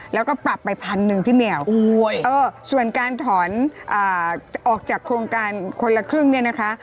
แล้วก็ปรับไปพันหนึ่งพี่เหมียวส่วนการถอนออกจากโครงการคนละครึ่งเนี่ยนะคะ